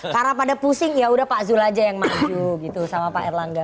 karena pada pusing ya sudah pak zul aja yang maju gitu sama pak erlangga